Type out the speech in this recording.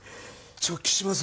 「直帰します。